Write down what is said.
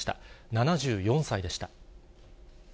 ７４歳でした。